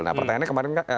nah pertanyaannya kemarin